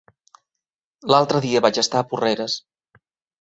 L'altre dia vaig estar a Porreres.